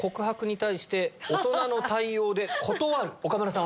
岡村さん